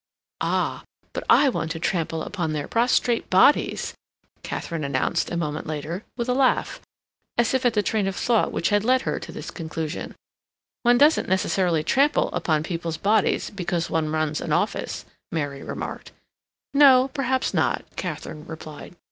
"Ah, but I want to trample upon their prostrate bodies!" Katharine announced, a moment later, with a laugh, as if at the train of thought which had led her to this conclusion. "One doesn't necessarily trample upon people's bodies because one runs an office," Mary remarked. "No. Perhaps not," Katharine replied.